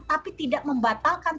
tapi tidak membatalkan